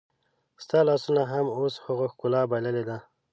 ستا لاسونو هم اوس هغه ښکلا بایللې ده